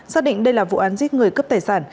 xác định đây là vụ án giết người cướp tài sản